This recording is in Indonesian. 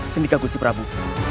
sendika gusti prabu